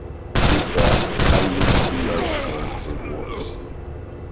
Good God, I wouldn't be elsewhere for worlds.